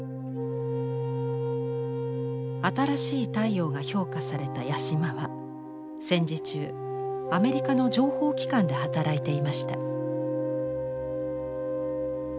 「あたらしい太陽」が評価された八島は戦時中アメリカの情報機関で働いていました。